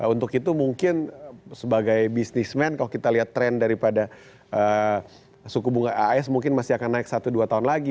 untuk itu mungkin sebagai bisnismen kalau kita lihat tren daripada suku bunga as mungkin masih akan naik satu dua tahun lagi